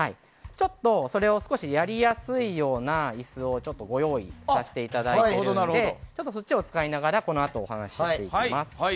それを少しやりやすいような椅子をご用意させていただいているのでそっちを使いながらこのあと、お話していきます。